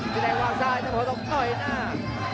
อิศิแดงวางซ้ายต้องต่อยหน้า